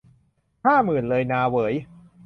ห้าหมื่นเลยนาเหวย